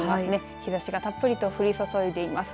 日ざしがたっぷりと降り注いでいます。